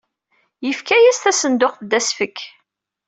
Yefka-as tasenduqt d asefk.